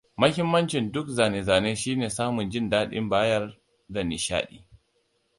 Mahimmancin duk zane-zane shine samun jin daɗin bayar da nishaɗi.